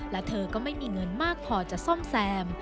และเธอก็ไม่มีเงินมากพอจะซ่อมแซม